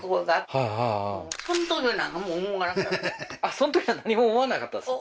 その時は何も思わなかったですか？